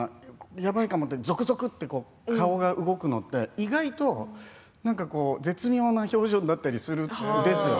やばいかもって、ぞくぞくっという顔が動くのって意外と絶妙な表情になったりするんですよ。